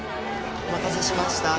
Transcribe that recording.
お待たせしました。